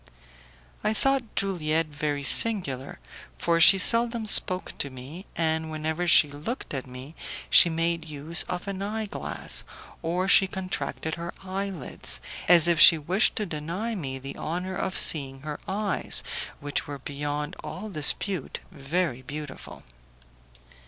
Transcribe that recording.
I thought Juliette very singular, for she seldom spoke to me, and whenever she looked at me she made use of an eye glass, or she contracted her eye lids, as if she wished to deny me the honour of seeing her eyes, which were beyond all dispute very beautiful.